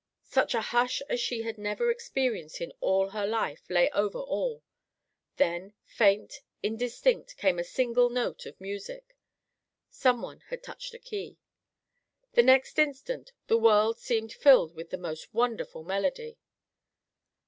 Such a hush as she had never experienced in all her life lay over all. Then, faint, indistinct, came a single note of music. Someone had touched a key. The next instant the world seemed filled with the most wonderful melody.